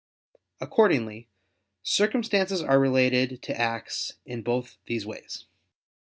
Accordingly, circumstances are related to acts in both these ways.